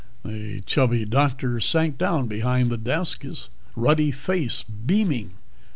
The chubby doctor sank down behind the desk, his ruddy face beaming.